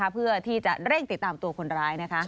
เพื่อที่จะเร่งติดตามตัวคนร้าย